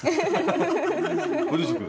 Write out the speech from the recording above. ご住職。